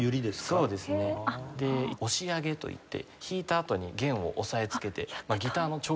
そうですね。で押し上げといって弾いたあとに弦を押さえつけてギターのチョー